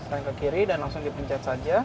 sekarang ke kiri dan langsung dipencet saja